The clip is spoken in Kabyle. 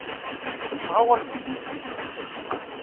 Tettɣawaleḍ deg wučči?